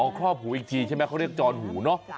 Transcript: เอาข้อมหูอีกทีใช่ไหมเขาเรียกจอนหูนะ